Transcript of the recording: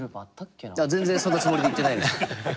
全然そんなつもりで言ってないです。